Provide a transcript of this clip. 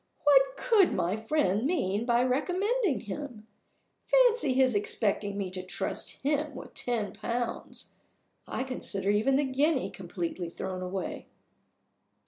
"What could my friend mean by recommending him? Fancy his expecting me to trust him with ten pounds! I consider even the guinea completely thrown away."